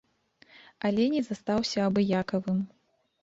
Але не застаўся абыякавым.